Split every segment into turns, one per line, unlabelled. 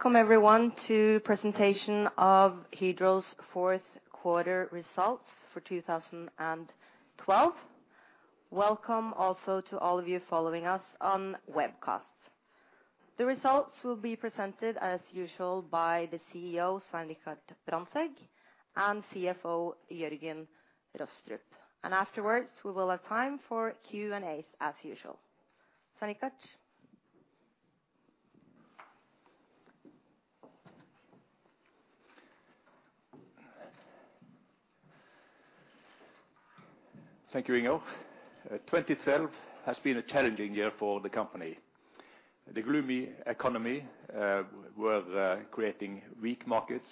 Welcome everyone to presentation of Hydro's fourth quarter results for 2012. Welcome also to all of you following us on webcast. The results will be presented, as usual, by the CEO, Svein Richard Brandtzæg, and CFO, Jørgen Rostrup. Afterwards, we will have time for Q&A, as usual. Svein Richard?
Thank you, Inger. 2012 has been a challenging year for the company. The gloomy economy was creating weak markets,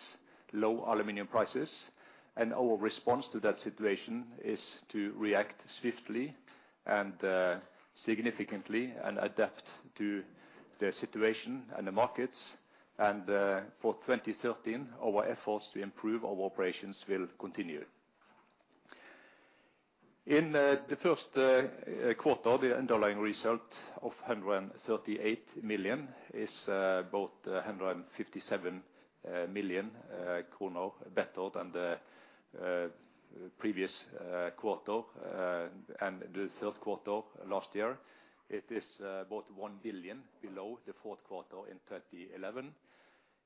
low aluminum prices, and our response to that situation is to react swiftly and significantly and adapt to the situation and the markets. For 2013, our efforts to improve our operations will continue. In the first quarter, the underlying result of 138 million is about 157 million kroner better than the previous quarter and the third quarter last year. It is about 1 billion below the fourth quarter in 2011.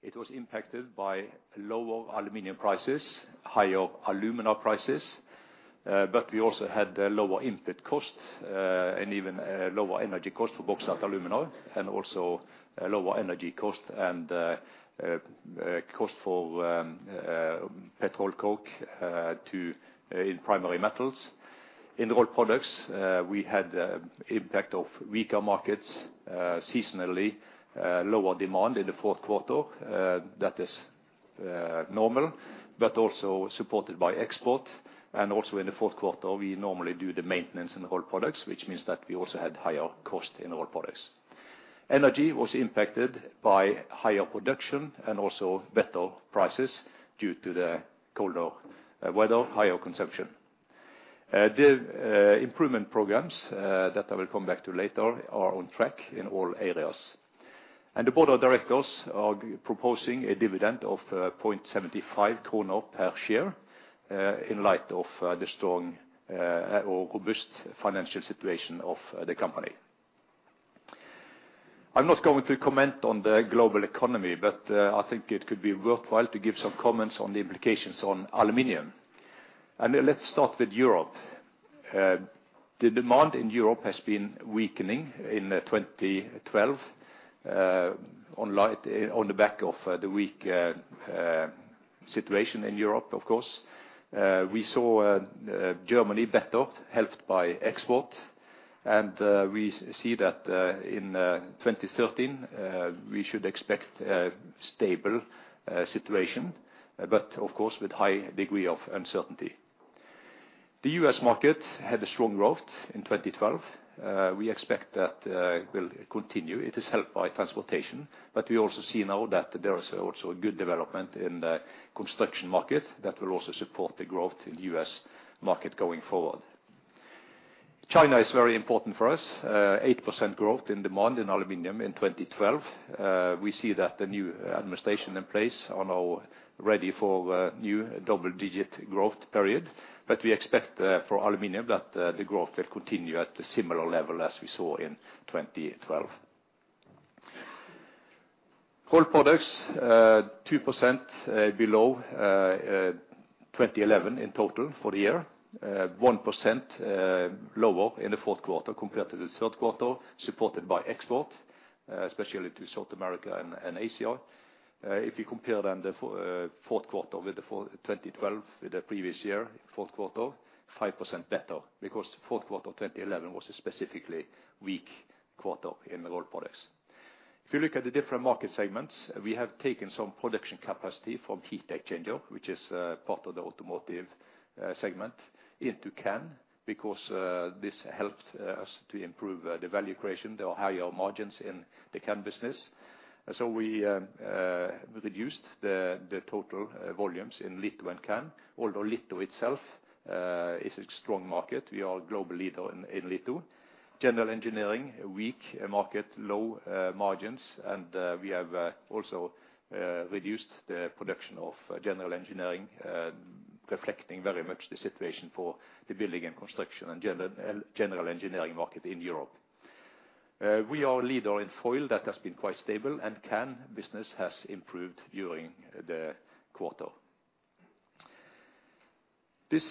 It was impacted by lower aluminum prices, higher alumina prices, but we also had lower input costs, and even lower energy costs for Bauxite & Alumina, and also a lower energy cost and cost for petroleum coke in Primary Metals. In Rolled Products, we had impact of weaker markets, seasonally, lower demand in the fourth quarter. That is normal, but also supported by export. Also in the fourth quarter, we normally do the maintenance in Rolled Products, which means that we also had higher cost in Rolled Products. Energy was impacted by higher production and also better prices due to the colder weather, higher consumption. The improvement programs that I will come back to later are on track in all areas. The board of directors are proposing a dividend of 0.75 kroner per share, in light of the strong or robust financial situation of the company. I'm not going to comment on the global economy, but I think it could be worthwhile to give some comments on the implications on aluminum. Let's start with Europe. The demand in Europe has been weakening in 2012, on the back of the weak situation in Europe, of course. We saw Germany better, helped by export, and we see that in 2013 we should expect a stable situation, but of course, with high degree of uncertainty. The U.S. market had a strong growth in 2012. We expect that will continue. It is helped by transportation, but we also see now that there is also a good development in the construction market that will also support the growth in the U.S. market going forward. China is very important for us. 8% growth in demand in aluminum in 2012. We see that the new administration in place are now ready for a new double-digit growth period. We expect for aluminum that the growth will continue at a similar level as we saw in 2012. Rolled Products 2% below 2011 in total for the year. 1% lower in the fourth quarter compared to the third quarter, supported by export especially to South America and Asia. If you compare the fourth quarter 2012 with the previous year fourth quarter, 5% better, because fourth quarter of 2011 was a specifically weak quarter in the Rolled Products. If you look at the different market segments, we have taken some production capacity from heat exchanger, which is part of the automotive segment into can because this helped us to improve the value creation. There are higher margins in the can business. We reduced the total volumes in litho and can, although litho itself is a strong market. We are a global leader in litho. General Engineering, a weak market, low margins, and we have also reduced the production of General Engineering, reflecting very much the situation for the building and construction and general engineering market in Europe. We are a leader in foil. That has been quite stable. Can business has improved during the quarter. This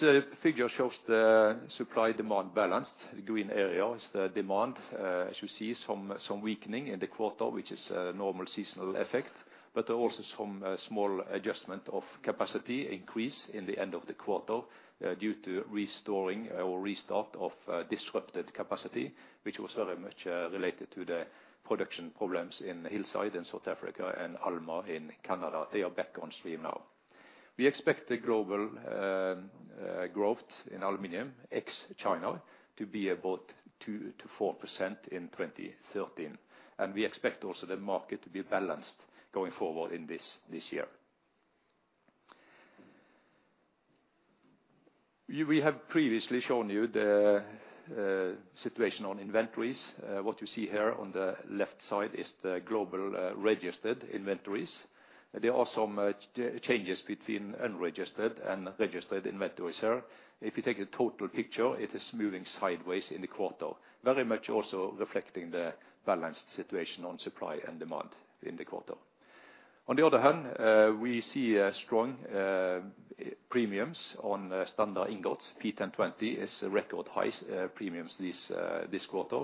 figure shows the supply-demand balance. The green area is the demand. As you see, some weakening in the quarter, which is a normal seasonal effect, but also some small adjustment of capacity increase in the end of the quarter, due to restoring or restart of disrupted capacity, which was very much related to the production problems in Hillside, in South Africa and Alma in Canada. They are back on stream now. We expect the global growth in aluminum, ex-China, to be about 2%-4% in 2013. We also expect the market to be balanced going forward in this year. We have previously shown you the situation on inventories. What you see here on the left side is the global registered inventories. There are some changes between unregistered and registered inventories here. If you take a total picture, it is moving sideways in the quarter. Very much also reflecting the balanced situation on supply and demand in the quarter. On the other hand, we see strong premiums on standard ingots, P1020, at record highs this quarter,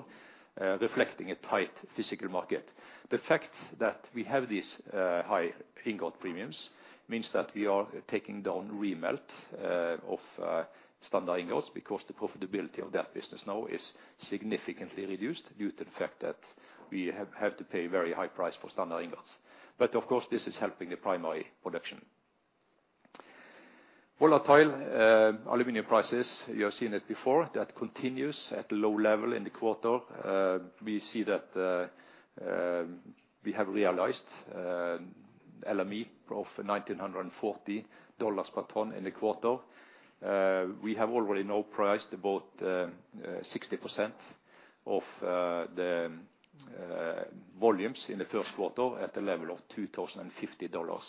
reflecting a tight physical market. The fact that we have these high ingot premiums means that we are taking down remelt of standard ingots because the profitability of that business now is significantly reduced due to the fact that we have to pay very high price for standard ingots. Of course, this is helping the primary production. Volatile aluminum prices, you have seen it before, that continues at low level in the quarter. We see that we have realized LME of $1,940 per ton in the quarter. We have already now priced about 60% of the volumes in the first quarter at a level of $2,050.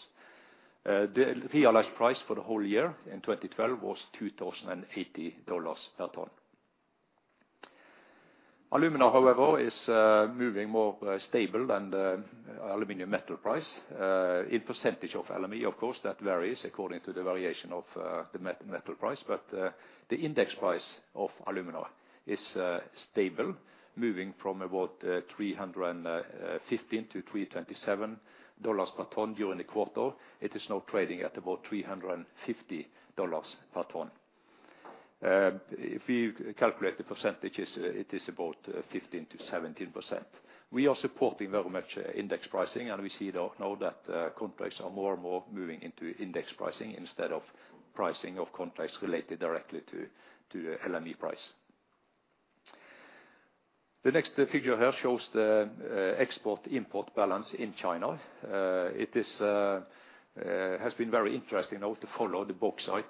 The realized price for the whole year in 2012 was $2,080 per ton. Alumina, however, is moving more stable than aluminum metal price. In percentage of LME of course, that varies according to the variation of the metal price. The index price of alumina is stable, moving from about $315-$327 per ton during the quarter. It is now trading at about $350 per ton. If you calculate the percentages, it is about 15%-17%. We are supporting very much index pricing, and we see now that contracts are more and more moving into index pricing instead of pricing of contracts related directly to the LME price. The next figure here shows the export-import balance in China. It has been very interesting now to follow the bauxite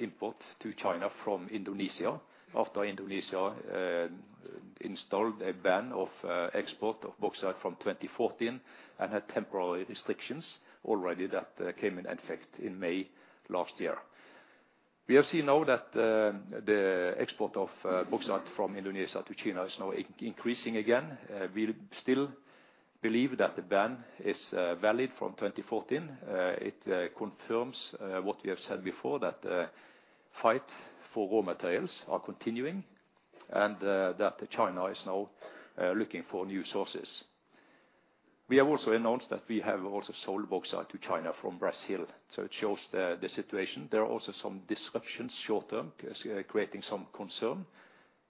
import to China from Indonesia, after Indonesia installed a ban of export of bauxite from 2014, and had temporary restrictions already that came in effect in May last year. We have seen now that the export of bauxite from Indonesia to China is now increasing again. We still believe that the ban is valid from 2014. It confirms what we have said before, that fight for raw materials are continuing, and that China is now looking for new sources. We have also announced that we have also sold bauxite to China from Brazil, so it shows the situation. There are also some disruptions short-term, creating some concern,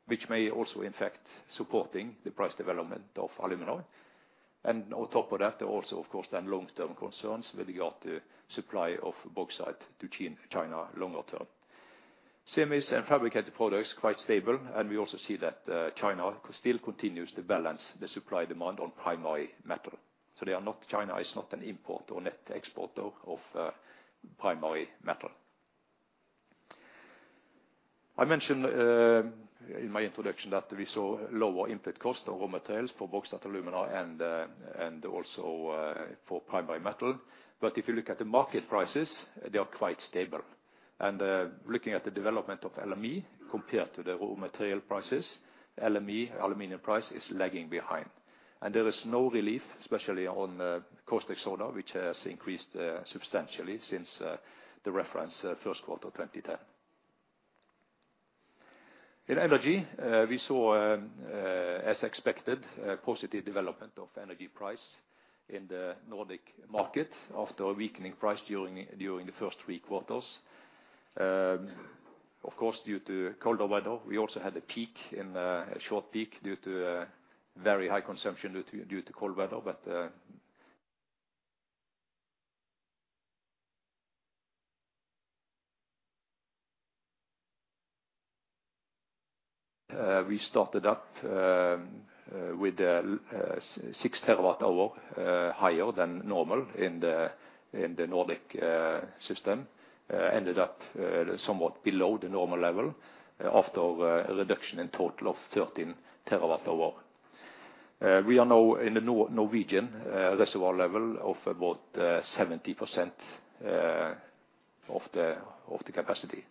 which may also, in fact, supporting the price development of alumina. On top of that, also of course, then long-term concerns with regard to supply of bauxite to China longer term. Semis and fabricated products quite stable, and we also see that, China still continues to balance the supply-demand on primary metal. China is not a net importer or net exporter of primary metal. I mentioned in my introduction that we saw lower input cost of raw materials for bauxite, alumina, and also for primary metal. But if you look at the market prices, they are quite stable. Looking at the development of LME compared to the raw material prices, LME aluminum price is lagging behind. There is no relief, especially on caustic soda, which has increased substantially since the reference first quarter 2010. In energy, we saw, as expected, a positive development of energy price in the Nordic market after a weakening price during the first three quarters. Of course, due to colder weather, we also had a short peak due to very high consumption due to cold weather. We started up with 6 terawatt hour higher than normal in the Nordic system. We ended up somewhat below the normal level after a reduction in total of 13 terawatt hour. We are now in the Norwegian reservoir level of about 70% of the capacity.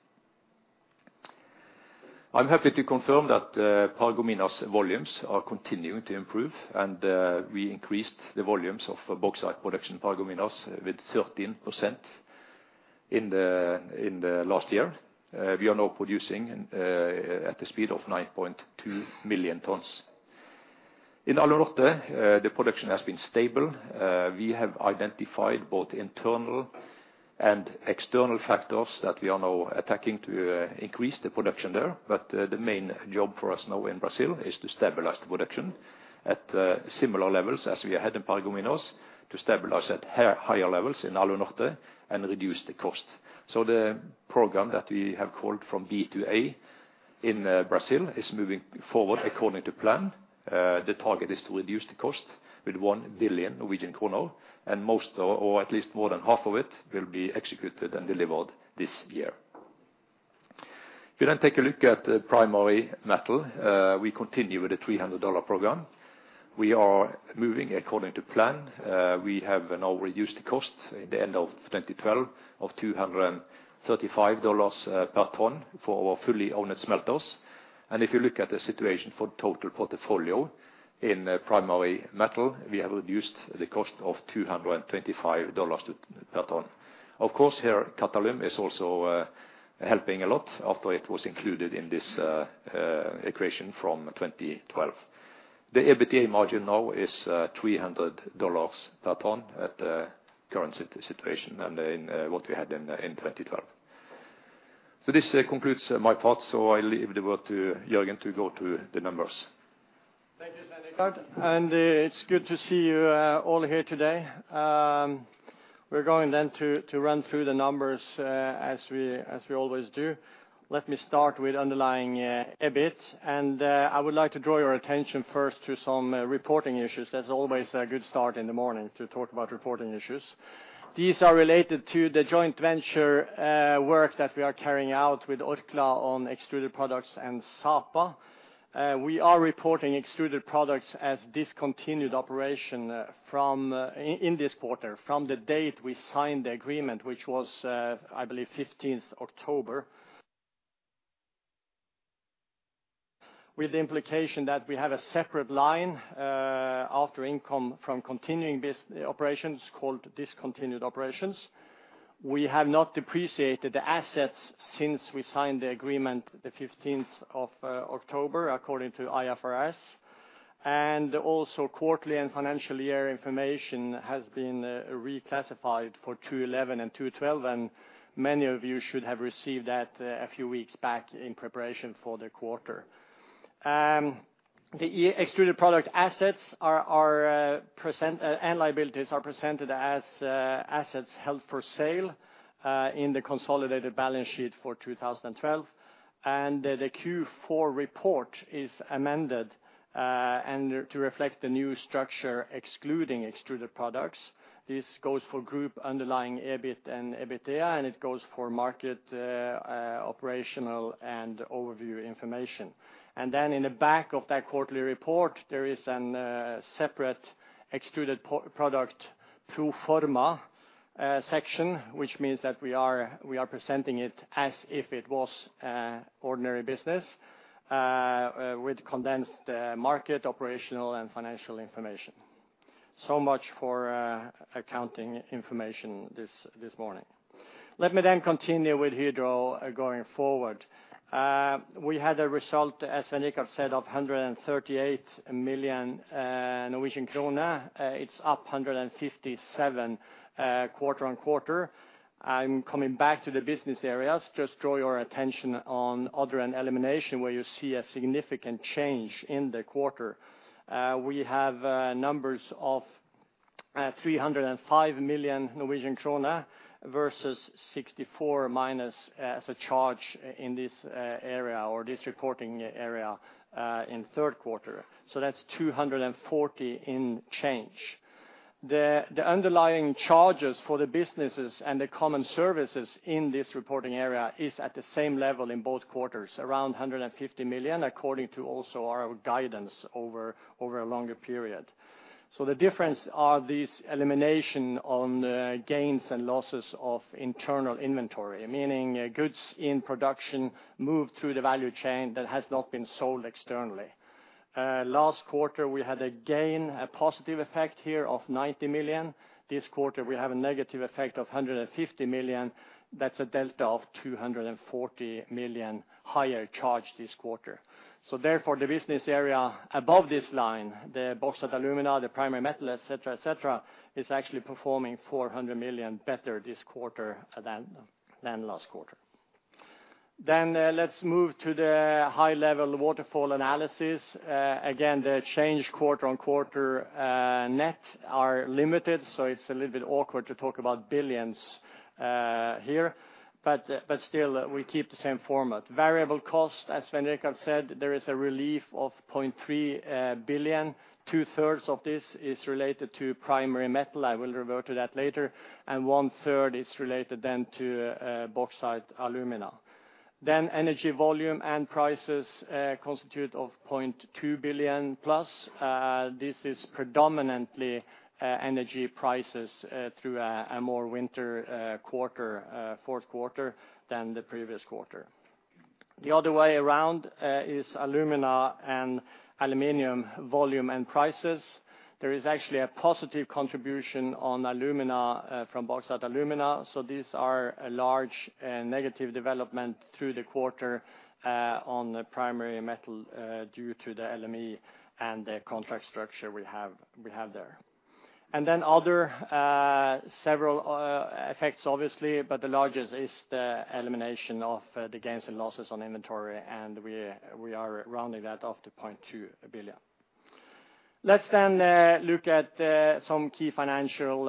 I'm happy to confirm that, Paragominas volumes are continuing to improve, and, we increased the volumes of bauxite production in Paragominas with 13% in the last year. We are now producing, at the speed of 9.2 million tons. In Alunorte, the production has been stable. We have identified both internal and external factors that we are now attacking to increase the production there. The main job for us now in Brazil is to stabilize the production at, similar levels as we had in Paragominas, to stabilize at higher levels in Alunorte and reduce the cost. The program that we have called From B to A in Brazil is moving forward according to plan. The target is to reduce the cost with 1 billion Norwegian kroner, and most, or at least more than half of it will be executed and delivered this year. If you then take a look at the Primary Metal, we continue with the $300 program. We are moving according to plan. We have now reduced the cost at the end of 2012 of $235 per ton for our fully-owned smelters. If you look at the situation for total portfolio in Primary Metal, we have reduced the cost of $225 per ton. Of course, here Qatalum is also helping a lot after it was included in this equation from 2012. The EBITDA margin now is $300 per ton at current situation and in what we had in 2012. This concludes my part, so I leave the word to Jørgen to go to the numbers.
Thank you, Svein Richard. It's good to see you all here today. We're going then to run through the numbers as we always do. Let me start with underlying EBIT. I would like to draw your attention first to some reporting issues. That's always a good start in the morning to talk about reporting issues. These are related to the joint venture work that we are carrying out with Orkla on Extruded Products and Sapa. We are reporting Extruded Products as discontinued operation from this quarter, from the date we signed the agreement, which was, I believe, 15th October. With the implication that we have a separate line after income from continuing operations called Discontinued Operations. We have not depreciated the assets since we signed the agreement the 15th of October, according to IFRS. Also quarterly and financial year information has been reclassified for 2011 and 2012, and many of you should have received that a few weeks back in preparation for the quarter. The extruded product assets are present and liabilities are presented as assets held for sale in the consolidated balance sheet for 2012. The Q4 report is amended and to reflect the new structure, excluding extruded products. This goes for group underlying EBIT and EBITDA, and it goes for market operational and overview information. In the back of that quarterly report, there is a separate Extruded Products pro forma section, which means that we are presenting it as if it was ordinary business with condensed market, operational and financial information. Much for accounting information this morning. Let me continue with Hydro going forward. We had a result, as Svein Richard said, of 138 million Norwegian krone. It's up 157 million quarter-over-quarter. I'm coming back to the business areas. Just draw your attention to other and eliminations, where you see a significant change in the quarter. We have numbers of 305 million Norwegian krone versus 64 million minus as a charge in this area or this reporting area in third quarter. That's 240 million change. The underlying charges for the businesses and the common services in this reporting area is at the same level in both quarters, around 150 million, according to also our guidance over a longer period. The difference are these elimination on gains and losses of internal inventory, meaning goods in production moved through the value chain that has not been sold externally. Last quarter, we had, again, a positive effect here of 90 million. This quarter, we have a negative effect of 150 million. That's a delta of 240 million higher charge this quarter. The business area above this line, the Bauxite & Alumina, the Primary Metal, et cetera, et cetera, is actually performing 400 million better this quarter than last quarter. Let's move to the high level waterfall analysis. Again, the change quarter-on-quarter net are limited, so it's a little bit awkward to talk about billions here. Still we keep the same format. Variable cost, as Svein Richard said, there is a relief of 0.3 billion. Two-thirds of this is related to Primary Metal, I will revert to that later, and one-third is related then to Bauxite & Alumina. Energy volume and prices constitute of 0.2 billion+. This is predominantly energy prices through a more wintry quarter, fourth quarter than the previous quarter. The other way around is alumina and aluminum volume and prices. There is actually a positive contribution on alumina from Bauxite & Alumina, so these are a large negative development through the quarter on the Primary Metal due to the LME and the contract structure we have there. Other several effects obviously, but the largest is the elimination of the gains and losses on inventory, and we are rounding that off to NOK 0.2 billion. Let's look at some key financial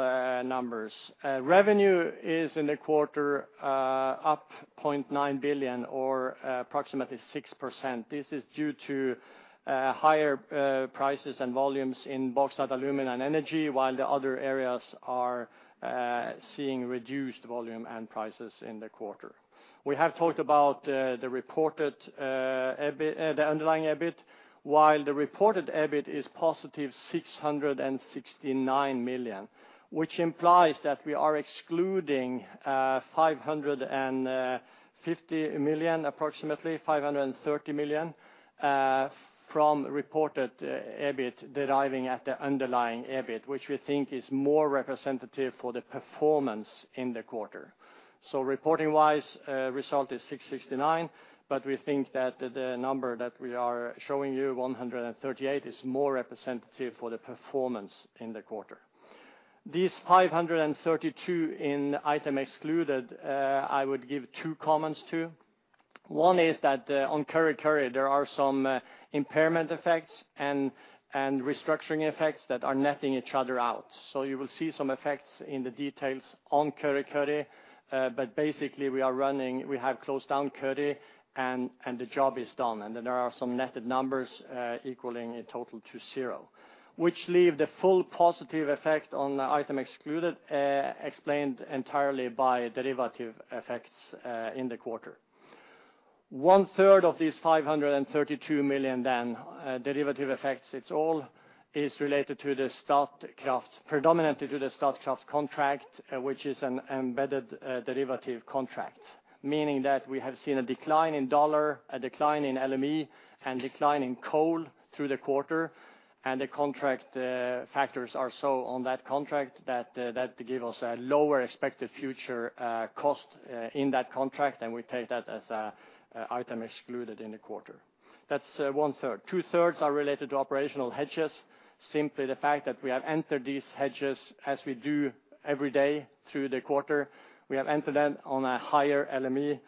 numbers. Revenue is in the quarter up 0.9 billion or approximately 6%. This is due to higher prices and volumes in Bauxite & Alumina and Energy, while the other areas are seeing reduced volume and prices in the quarter. We have talked about the reported underlying EBIT, while the reported EBIT is positive 669 million, which implies that we are excluding 550 million, approximately 530 million, from reported EBIT deriving at the underlying EBIT, which we think is more representative for the performance in the quarter. Reporting-wise, result is 669 million, but we think that the number that we are showing you, 138 million, is more representative for the performance in the quarter. These 532 million items excluded, I would give two comments to. One is that on Kurri Kurri there are some impairment effects and restructuring effects that are netting each other out. You will see some effects in the details on Kurri Kurri, but basically we are running. We have closed down Kurri Kurri and the job is done, and then there are some netted numbers equaling in total to zero, which leave the full positive effect on the item excluded explained entirely by derivative effects in the quarter. One third of these 532 million, derivative effects, it's all related to the Statkraft, predominantly to the Statkraft contract, which is an embedded derivative contract, meaning that we have seen a decline in dollar, a decline in LME and decline in coal through the quarter. The contract factors are so on that contract that give us a lower expected future cost in that contract, and we take that as an item excluded in the quarter. That's one third. Two thirds are related to operational hedges. Simply the fact that we have entered these hedges as we do every day through the quarter. We have entered them on a higher LME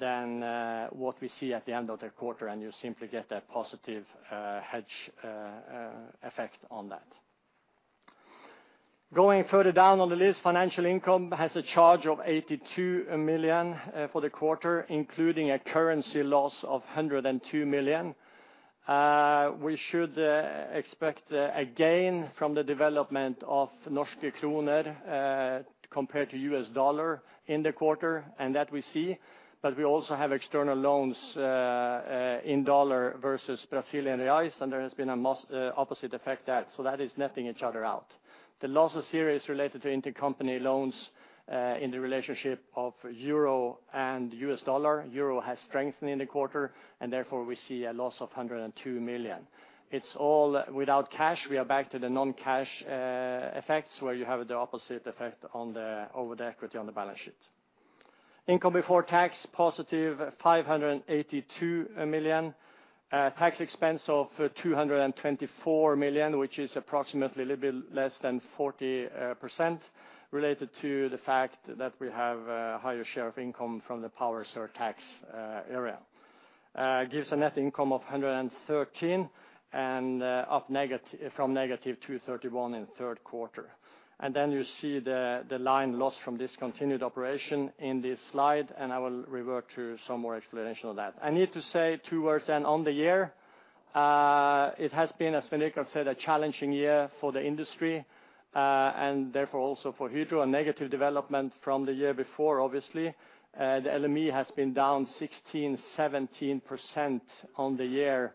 than what we see at the end of the quarter, and you simply get that positive hedge effect on that. Going further down on the list, financial income has a charge of 82 million for the quarter, including a currency loss of 102 million. We should expect a gain from the development of Norwegian krone compared to US dollar in the quarter, and that we see. We also have external loans in dollar versus Brazilian reais, and there has been an opposite effect there, so that is netting each other out. The losses here is related to intercompany loans in the relationship of euro and US dollar. EUR has strengthened in the quarter, and therefore we see a loss of 102 million. It's all without cash. We are back to the non-cash effects, where you have the opposite effect on the over the equity on the balance sheet. Income before tax, positive 582 million. Tax expense of 224 million, which is approximately a little bit less than 40%, related to the fact that we have a higher share of income from the power surtax area. Gives a net income of 113 million and up from negative 231 million in the third quarter. You see the line loss from discontinued operation in this slide, and I will revert to some more explanation of that. I need to say two words then on the year. It has been, as Svein Richard Brandtzæg said, a challenging year for the industry, and therefore also for Hydro, a negative development from the year before, obviously. The LME has been down 16%-17% on the year,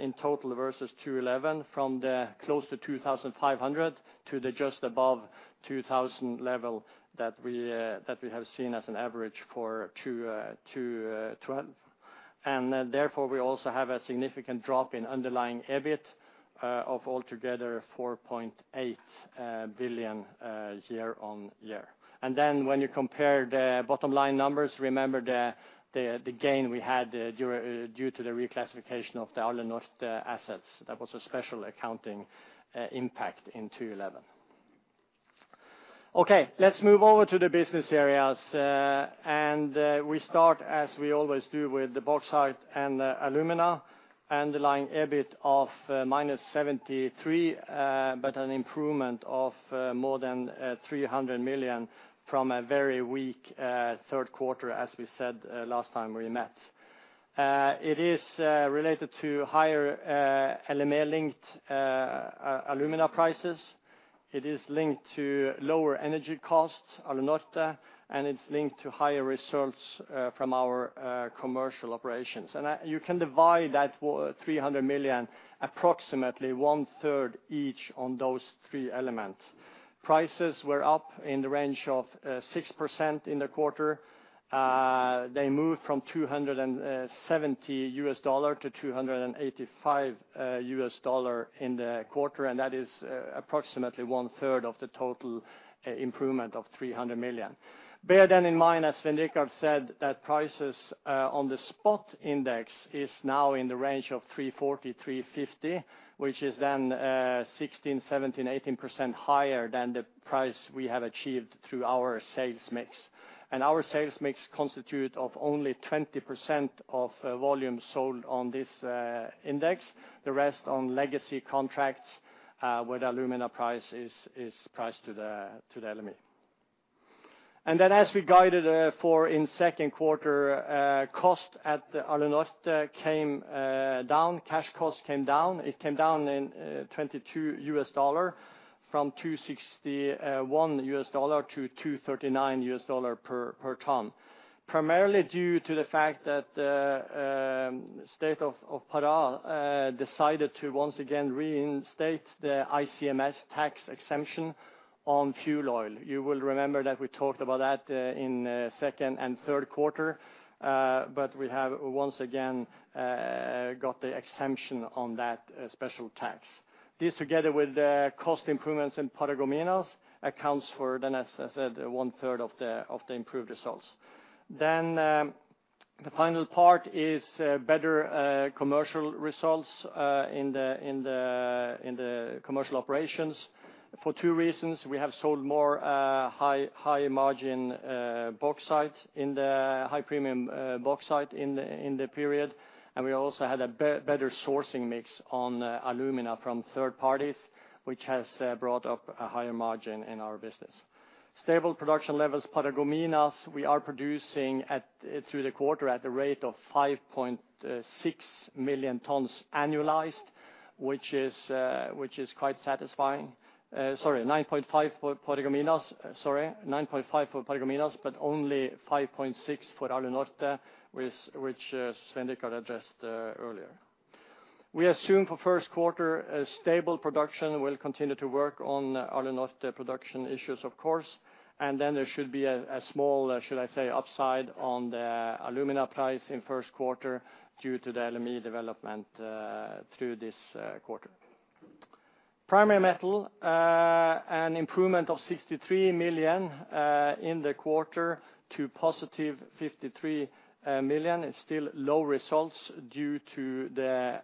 in total versus 2011, from close to 2,500 to just above 2,000 level that we have seen as an average for 2012. Therefore we also have a significant drop in underlying EBIT of altogether 4.8 billion year on year. When you compare the bottom line numbers, remember the gain we had due to the reclassification of the Alunorte assets. That was a special accounting impact in 2011. Okay, let's move over to the business areas. We start, as we always do, with the Bauxite and Alumina. Underlying EBIT of -73 million, but an improvement of more than 300 million from a very weak third quarter, as we said last time we met. It is related to higher LME-linked alumina prices. It is linked to lower energy costs, Alunorte, and it's linked to higher results from our commercial operations. You can divide that 300 million approximately one third each on those three elements. Prices were up in the range of 6% in the quarter. They moved from $270 to $285 in the quarter, and that is approximately one third of the total improvement of 300 million. Bear in mind, as Svein Richard Brandtzæg said, that prices on the spot index are now in the range of $340-$350, which is 16%-18% higher than the price we have achieved through our sales mix. Our sales mix constitute of only 20% of volume sold on this index, the rest on legacy contracts where the alumina price is priced to the LME. As we guided for in second quarter, cost at Alunorte came down, cash costs came down. It came down by $22 from $261 to $239 per ton, primarily due to the fact that state of Pará decided to once again reinstate the ICMS tax exemption on fuel oil. You will remember that we talked about that in second and third quarter, but we have once again got the exemption on that special tax. This together with the cost improvements in Paragominas accounts for then as I said, one third of the improved results. The final part is better commercial results in the commercial operations for two reasons. We have sold more high margin bauxite in the high premium bauxite in the period. We also had a better sourcing mix on alumina from third parties, which has brought up a higher margin in our business. Stable production levels Paragominas. We are producing at through the quarter at the rate of 5.6 million tons annualized, which is quite satisfying. Sorry, 9.5 for Paragominas, but only 5.6 for Alunorte, with which Svein Richard addressed earlier. We assume for first quarter a stable production will continue to work on Alunorte production issues of course. There should be a small, should I say, upside on the alumina price in first quarter due to the LME development through this quarter. Primary Metal, an improvement of 63 million in the quarter to positive 53 million. It's still low results due to the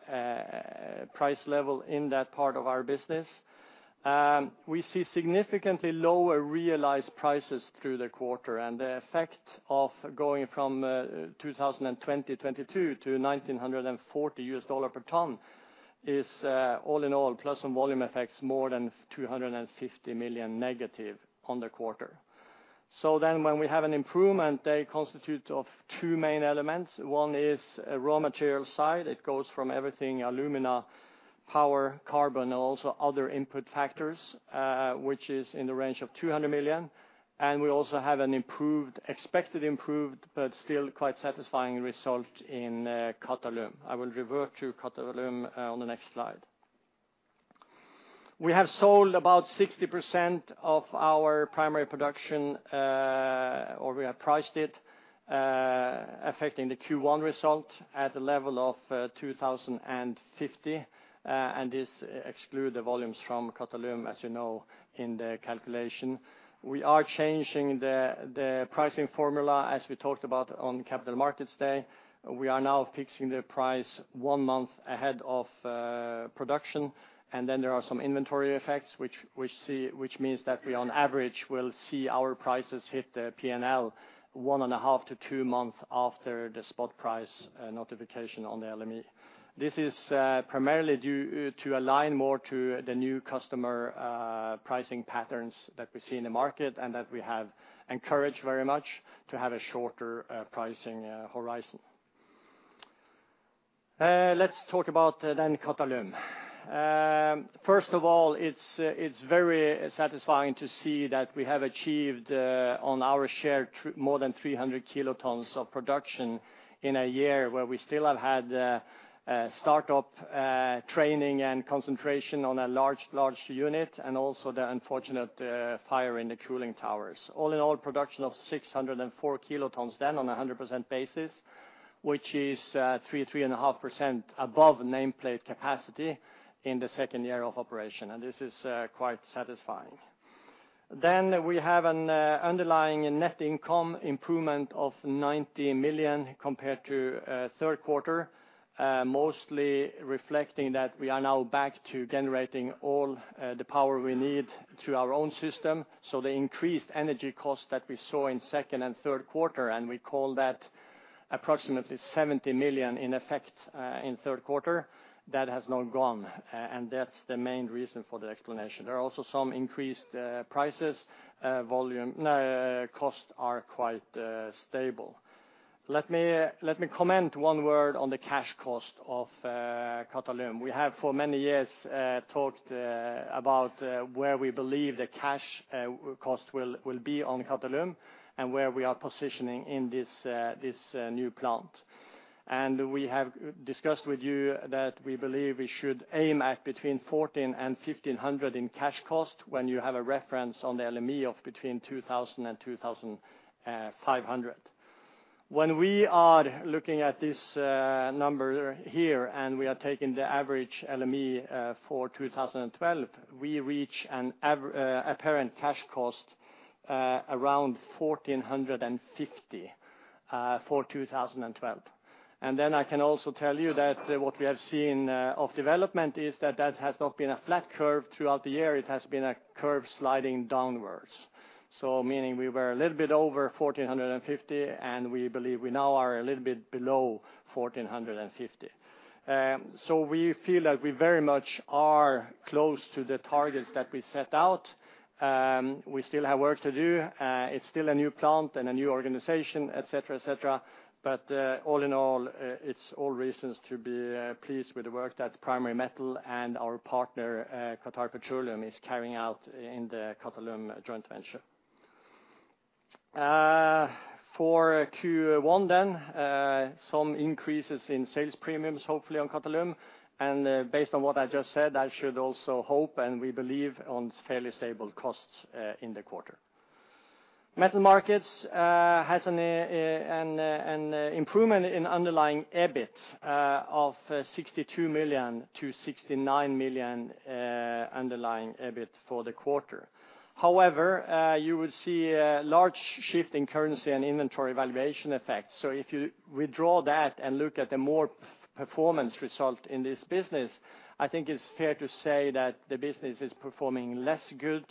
price level in that part of our business. We see significantly lower realized prices through the quarter, and the effect of going from $2,020 to $1,940 USD per ton is all in all, plus some volume effects more than 250 million negative on the quarter. When we have an improvement, they constitute of two main elements. One is a raw material side. It goes from everything alumina, power, carbon, also other input factors, which is in the range of 200 million. We also have an expected improved, but still quite satisfying result in Qatalum. I will revert to Qatalum on the next slide. We have sold about 60% of our primary production, or we have priced it, affecting the Q1 result at a level of $2,050, and this exclude the volumes from Qatalum, as you know, in the calculation. We are changing the pricing formula as we talked about on Capital Markets Day. We are now fixing the price one month ahead of production. There are some inventory effects which means that we on average will see our prices hit the P&L 1.5-2 months after the spot price notification on the LME. This is primarily due to align more to the new customer pricing patterns that we see in the market and that we have encouraged very much to have a shorter pricing horizon. Let's talk about Qatalum. First of all, it's very satisfying to see that we have achieved on our share more than 300 kilotons of production in a year where we still have had a start up training and concentration on a large unit, and also the unfortunate fire in the cooling towers. All in all, production of 604 kilotons on 100% basis, which is 3.5% above nameplate capacity in the second year of operation. This is quite satisfying. We have an underlying net income improvement of 90 million compared to third quarter, mostly reflecting that we are now back to generating all the power we need through our own system. The increased energy cost that we saw in second and third quarter, and we call that approximately 70 million in effect in third quarter, that has now gone. And that's the main reason for the explanation. There are also some increased prices, costs are quite stable. Let me comment one word on the cash cost of Qatalum. We have for many years talked about where we believe the cash cost will be on Qatalum and where we are positioning in this new plant. We have discussed with you that we believe we should aim at between $1,400 and $1,500 in cash cost when you have a reference on the LME of between $2,000 and $2,500. When we are looking at this number here, and we are taking the average LME for 2012, we reach an apparent cash cost around $1,450 for 2012. Then I can also tell you that what we have seen of development is that has not been a flat curve throughout the year. It has been a curve sliding downwards. Meaning we were a little bit over 1,450, and we believe we now are a little bit below 1,450. We feel that we very much are close to the targets that we set out. We still have work to do. It's still a new plant and a new organization, et cetera, et cetera. All in all, it's all reasons to be pleased with the work that Primary Metal and our partner, Qatar Petroleum is carrying out in the Qatalum joint venture. For Q1, some increases in sales premiums hopefully on Qatalum. Based on what I just said, I should also hope, and we believe on fairly stable costs in the quarter. Metal Markets has an improvement in underlying EBIT of 62 million-69 million underlying EBIT for the quarter. However, you will see a large shift in currency and inventory valuation effects. If you withdraw that and look at the underlying performance result in this business, I think it's fair to say that the business is performing less good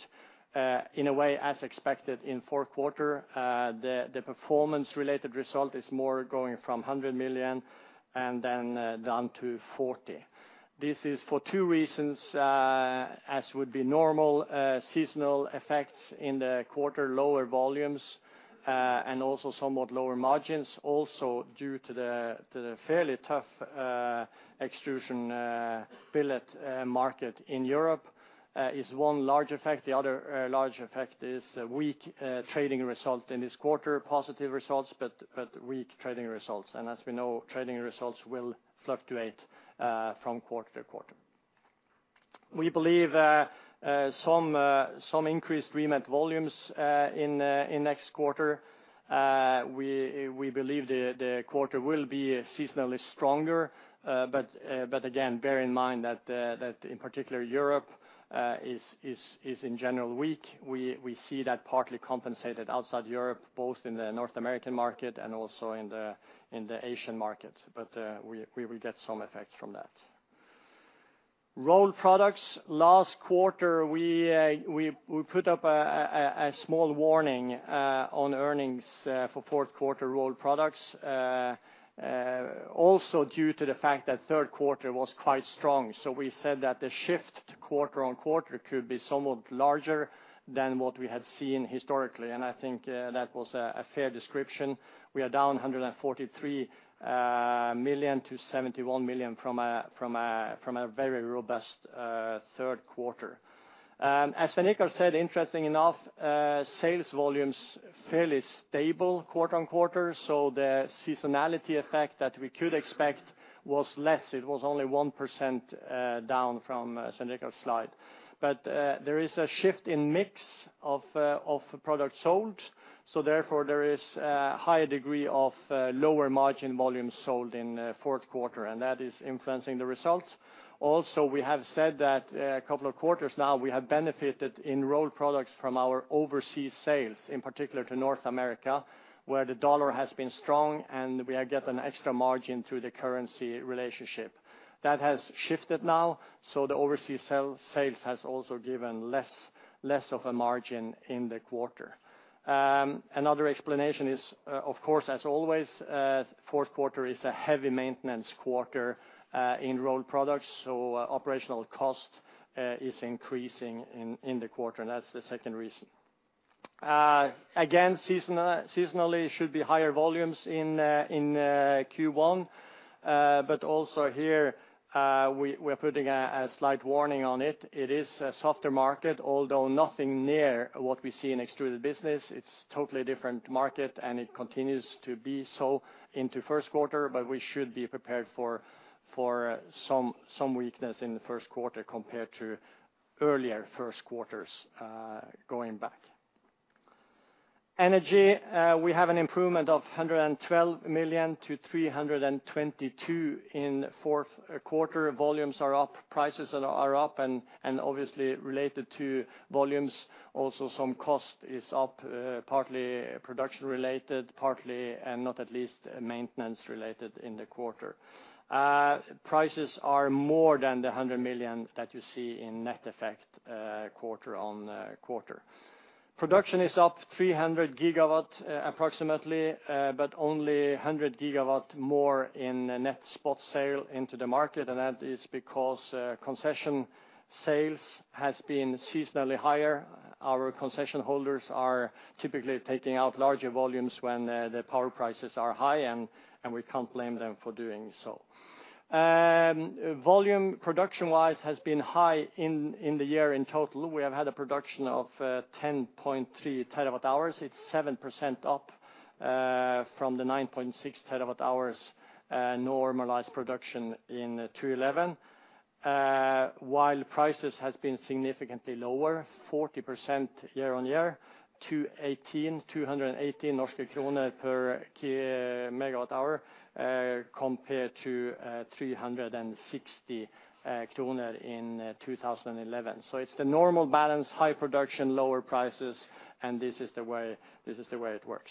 in a way as expected in fourth quarter. The performance-related result went from 100 million and then down to 40 million. This is for two reasons, as would be normal, seasonal effects in the quarter, lower volumes, and also somewhat lower margins. Also, due to the fairly tough extrusion billet market in Europe is one large effect. The other large effect is a weak trading result in this quarter, positive results, but weak trading results. As we know, trading results will fluctuate from quarter to quarter. We believe some increased remelt volumes in next quarter. We believe the quarter will be seasonally stronger. Again, bear in mind that in particular Europe is in general weak. We see that partly compensated outside Europe, both in the North American market and also in the Asian market. We will get some effect from that. Rolled Products, last quarter, we put up a small warning on earnings for fourth quarter Rolled Products. Also due to the fact that third quarter was quite strong. We said that the shift quarter-on-quarter could be somewhat larger than what we had seen historically. I think that was a fair description. We are down 143 million to 71 million from a very robust third quarter. As Svein Richard Brandtzæg said, interestingly enough, sales volumes fairly stable quarter-over-quarter. The seasonality effect that we could expect was less. It was only 1% down from Svein Richard Brandtzæg's slide. There is a shift in mix of products sold, so therefore there is a higher degree of lower margin volumes sold in fourth quarter, and that is influencing the results. We have said that a couple of quarters now, we have benefited in Rolled Products from our overseas sales, in particular to North America, where the dollar has been strong and we get an extra margin through the currency relationship. That has shifted now, so the overseas sales has also given less of a margin in the quarter. Another explanation is, of course, as always, fourth quarter is a heavy maintenance quarter in Rolled Products, so operational cost is increasing in the quarter, and that's the second reason. Again, seasonally should be higher volumes in Q1. But also here, we're putting a slight warning on it. It is a softer market, although nothing near what we see in Extruded Products. It's totally different market, and it continues to be so into first quarter, but we should be prepared for some weakness in the first quarter compared to earlier first quarters going back. Energy, we have an improvement of 112 million to 322 million in fourth quarter. Volumes are up, prices are up, and obviously related to volumes, also some cost is up, partly production related, partly and not least maintenance related in the quarter. Prices are more than the 100 million that you see in net effect, quarter on quarter. Production is up 300 gigawatt, approximately, but only 100 gigawatt more in net spot sale into the market, and that is because concession sales has been seasonally higher. Our concession holders are typically taking out larger volumes when the power prices are high, and we can't blame them for doing so. Volume production-wise has been high in the year in total. We have had a production of 10.3 terawatt-hours. It's 7% up from the 9.6 terawatt-hours normalized production in 2011. While prices has been significantly lower, 40% year-over-year to 218 per megawatt-hour, compared to 360 kroner in 2011. It's the normal balance, high production, lower prices, and this is the way it works.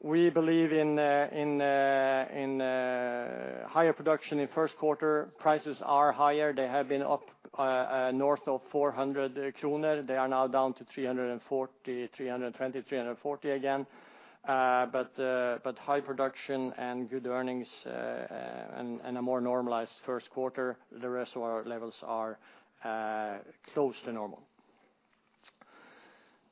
We believe in higher production in first quarter. Prices are higher. They have been up north of 400 kroner. They are now down to 340, 320, 340 NOK again. But high production and good earnings, and a more normalized first quarter, the rest of our levels are close to normal.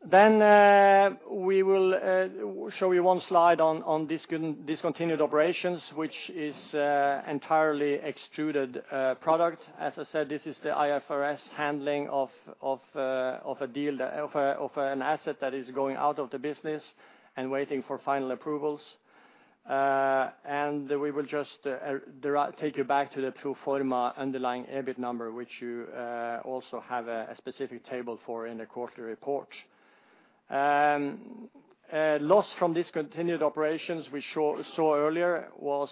We will show you one slide on discontinued operations, which is entirely Extruded Products. As I said, this is the IFRS handling of an asset that is going out of the business and waiting for final approvals. We will just take you back to the pro forma underlying EBIT number, which you also have a specific table for in the quarterly report. Loss from discontinued operations we saw earlier was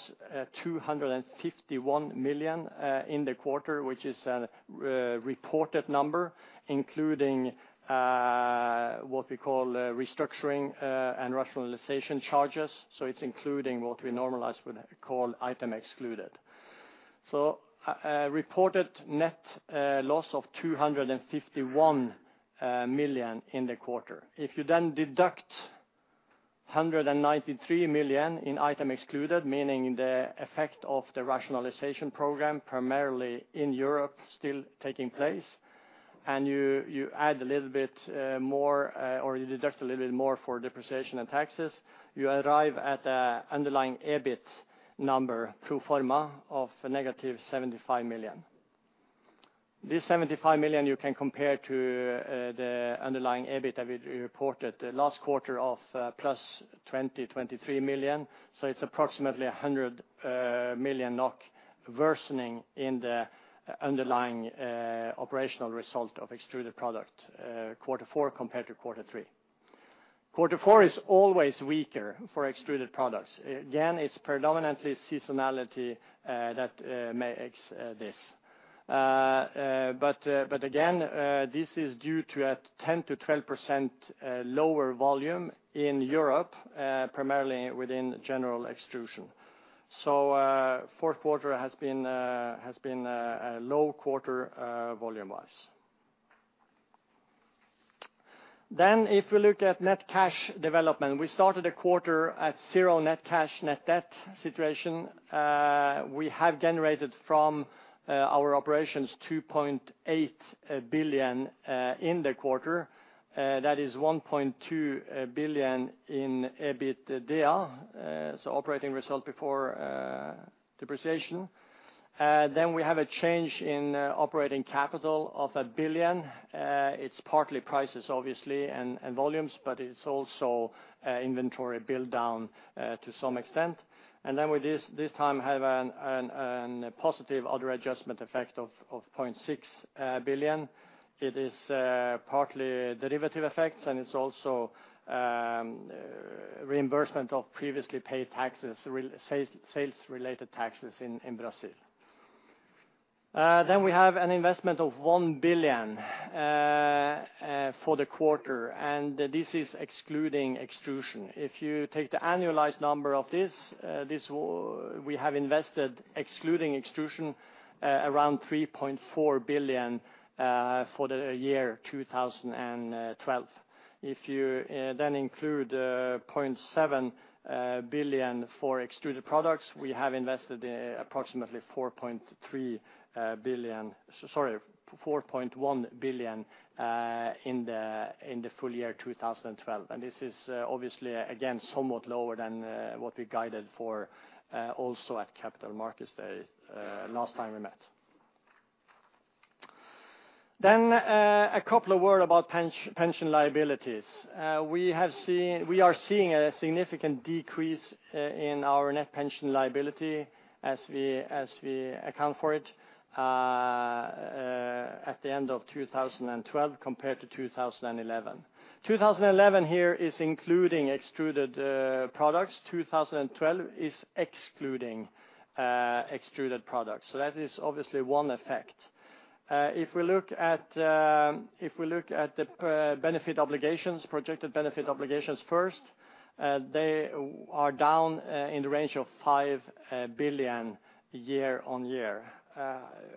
251 million in the quarter, which is the reported number, including what we call restructuring and rationalization charges. It's including what we normalize, what we call item excluded. A reported net loss of 251 million in the quarter. If you then deduct 193 million in item excluded, meaning the effect of the rationalization program, primarily in Europe still taking place, and you add a little bit more or you deduct a little bit more for depreciation and taxes, you arrive at an underlying EBIT number pro forma of negative 75 million. This 75 million you can compare to the underlying EBIT that we reported the last quarter of plus 23 million. It's approximately 100 million NOK worsening in the underlying operational result of Extruded Products quarter four compared to quarter three. Quarter four is always weaker for Extruded Products. Again, it's predominantly seasonality that makes this. But again, this is due to a 10%-12% lower volume in Europe, primarily within general extrusion. Fourth quarter has been a low quarter, volume-wise. If we look at net cash development, we started the quarter at zero net cash, net debt situation. We have generated from our operations 2.8 billion in the quarter. That is 1.2 billion in EBITDA, so operating result before depreciation. We have a change in operating capital of 1 billion. It's partly prices obviously and volumes, but it's also inventory build down to some extent. We this time have a positive other adjustment effect of 0.6 billion. It is partly derivative effects, and it's also reimbursement of previously paid taxes, re-sales, sales-related taxes in Brazil. We have an investment of 1 billion for the quarter, and this is excluding Extruded Products. If you take the annualized number of this, we have invested, excluding Extruded Products, around 3.4 billion for the year 2012. If you then include 0.7 billion for Extruded Products, we have invested approximately 4.3 billion, sorry, 4.1 billion in the full year 2012. This is obviously again somewhat lower than what we guided for also at Capital Markets Day last time we met. A couple of words about pension liabilities. We are seeing a significant decrease in our net pension liability as we account for it at the end of 2012 compared to 2011. 2011 here is including Extruded Products. 2012 is excluding Extruded Products. That is obviously one effect. If we look at the benefit obligations, projected benefit obligations first, they are down in the range of 5 billion year-on-year.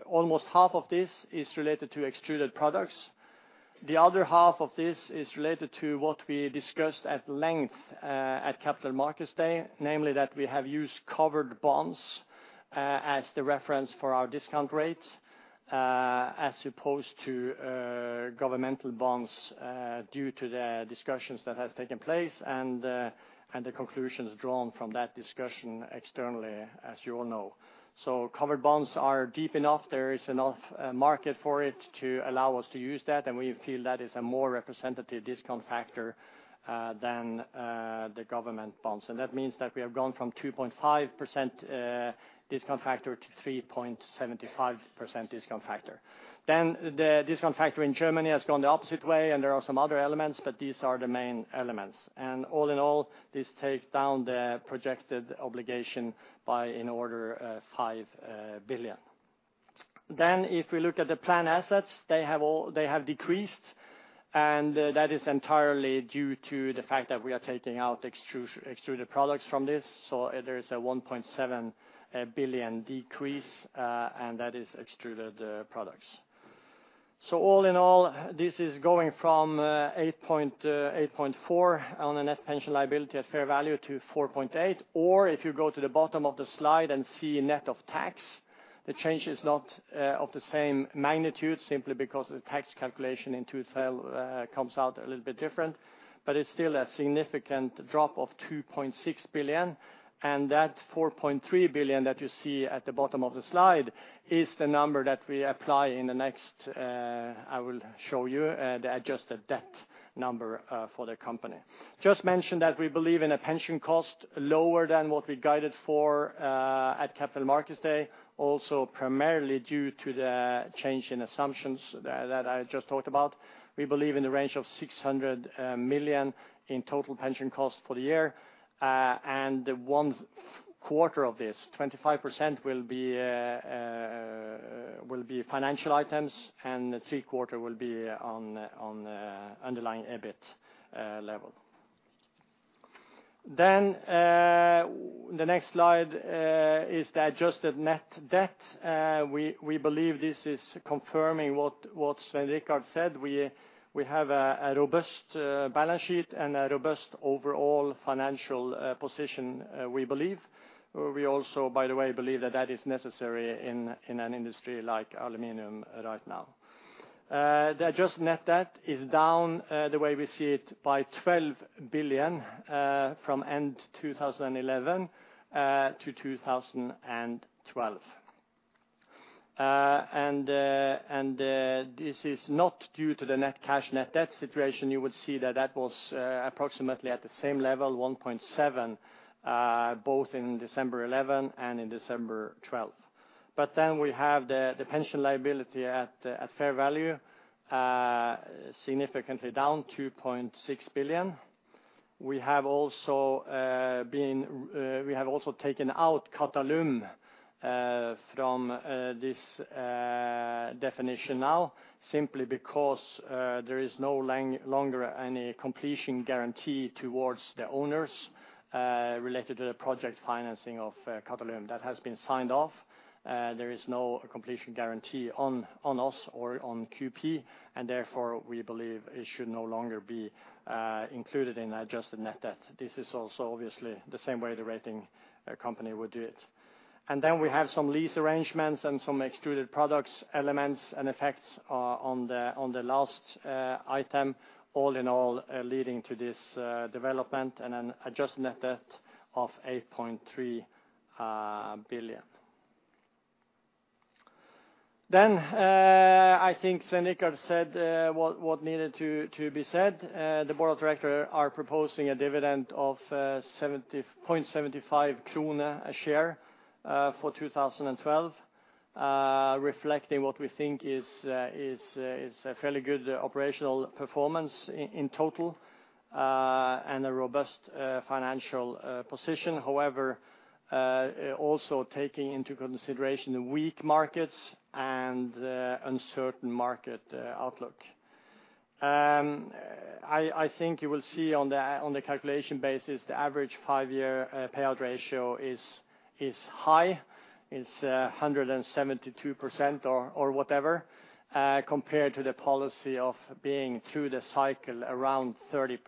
Almost half of this is related to Extruded Products. The other half of this is related to what we discussed at length at Capital Markets Day, namely that we have used covered bonds as the reference for our discount rate as opposed to governmental bonds due to the discussions that have taken place and the conclusions drawn from that discussion externally, as you all know. Covered bonds are deep enough. There is enough market for it to allow us to use that, and we feel that is a more representative discount factor than the government bonds. That means that we have gone from 2.5% discount factor to 3.75% discount factor. The discount factor in Germany has gone the opposite way, and there are some other elements, but these are the main elements. All in all, this takes down the projected obligation by in order of 5 billion. If we look at the plan assets, they have decreased, and that is entirely due to the fact that we are taking out Extruded Products from this. There is a 1.7 billion decrease, and that is Extruded Products. All in all, this is going from 8.4 on the net pension liability at fair value to 4.8. If you go to the bottom of the slide and see net of tax, the change is not of the same magnitude simply because the tax calculation in 2012 comes out a little bit different. It's still a significant drop of 2.6 billion. That 4.3 billion that you see at the bottom of the slide is the number that we apply in the next. I will show you the adjusted debt number for the company. Just mention that we believe in a pension cost lower than what we guided for at Capital Markets Day, also primarily due to the change in assumptions that I just talked about. We believe in the range of 600 million in total pension costs for the year. One quarter of this, 25%, will be financial items, and three quarters will be on the underlying EBIT level. The next slide is the adjusted net debt. We believe this is confirming what Svein Richard said. We have a robust balance sheet and a robust overall financial position, we believe. We also, by the way, believe that that is necessary in an industry like aluminum right now. The adjusted net debt is down, the way we see it by 12 billion, from end 2011 to 2012. This is not due to the net cash/net debt situation. You would see that that was approximately at the same level, 1.7 billion both in December 2011 and in December 2012. We have the pension liability at fair value significantly down 2.6 billion. We have also taken out Qatalum from this definition now, simply because there is no longer any completion guarantee towards the owners related to the project financing of Qatalum. That has been signed off. There is no completion guarantee on us or on QP, and therefore we believe it should no longer be included in adjusted net debt. This is also obviously the same way the rating company would do it. We have some lease arrangements and some Extruded Products elements and effects on the last item. All in all, leading to this development and an adjusted net debt of NOK 8.3 billion. I think Svein Richard said what needed to be said. The board of directors are proposing a dividend of 70.75 kroner a share for 2012, reflecting what we think is a fairly good operational performance in total and a robust financial position. However, also taking into consideration the weak markets and uncertain market outlook. I think you will see on the calculation basis, the average five-year payout ratio is high. It's 172% or whatever, compared to the policy of being through the cycle around 30%.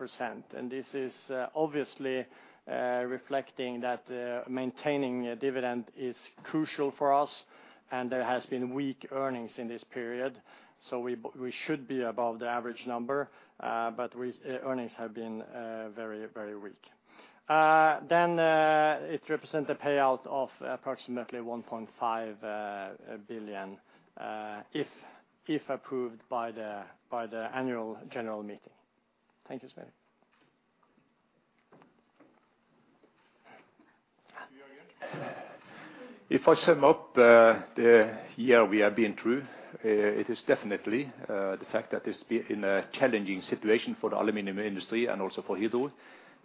This is obviously reflecting that maintaining a dividend is crucial for us, and there has been weak earnings in this period, so we should be above the average number. Earnings have been very, very weak. It represent a payout of approximately 1.5 billion, if approved by the annual general meeting. Thank you, Svein Richard.
To Jørgen.
If I sum up the year we have been through, it is definitely the fact that it's been in a challenging situation for the Aluminum industry and also for Hydro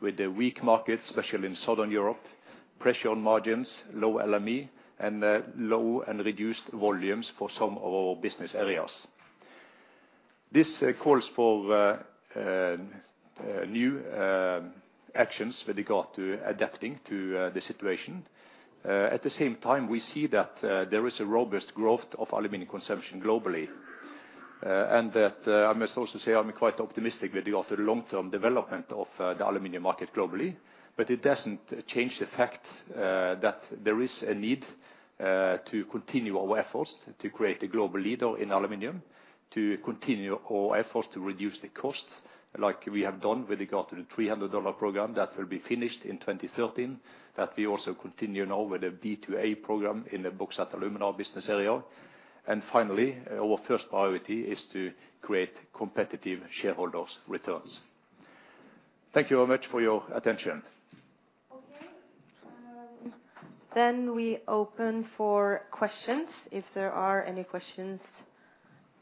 with the weak markets, especially in Southern Europe, pressure on margins, low LME, and low and reduced volumes for some of our business areas. This calls for new actions with regard to adapting to the situation. At the same time, we see that there is a robust growth of Aluminum consumption globally. That, I must also say I'm quite optimistic with regard to the long-term development of the Aluminum market globally. It doesn't change the fact that there is a need to continue our efforts to create a global leader in aluminum, to continue our efforts to reduce the costs like we have done with regard to the $300 program that will be finished in 2013, that we also continue now with the B2A program in the Bauxite & Alumina business area. Finally, our first priority is to create competitive shareholders' returns. Thank you very much for your attention.
Okay. We open for questions, if there are any questions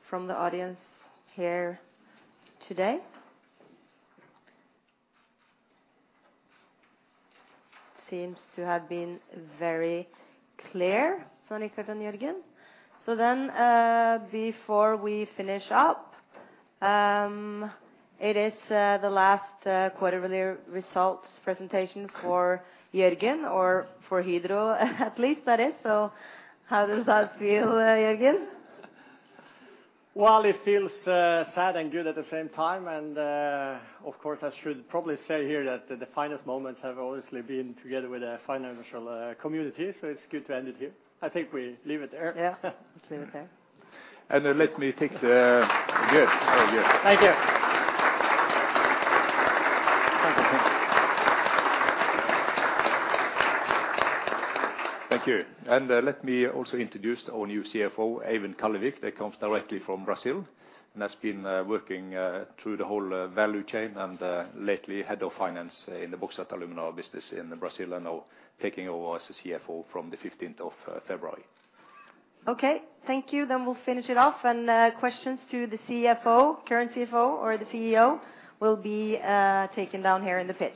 from the audience here today. Seems to have been very clear, Svein Richard and Jørgen. Before we finish up, it is the last quarterly results presentation for Jørgen or for Hydro at least that is. How does that feel, Jørgen?
Well, it feels sad and good at the same time. Of course, I should probably say here that the finest moments have obviously been together with the financial community, so it's good to end it here. I think we leave it there.
Yeah. Let's leave it there.
Good. Oh, good.
Thank you. Thank you.
Thank you. Let me also introduce our new CFO, Eivind Kallevik, that comes directly from Brazil and has been working through the whole value chain and lately, head of finance in the Bauxite & Alumina business in Brazil and now taking over as the CFO from the fifteenth of February.
Okay. Thank you. We'll finish it off. Questions to the CFO, current CFO or the CEO will be taken down here in the pit.